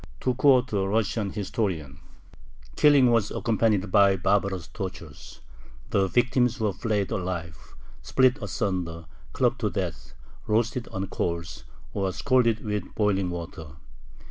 To quote a Russian historian: Killing was accompanied by barbarous tortures; the victims were flayed alive, split asunder, clubbed to death, roasted on coals, or scalded with boiling water.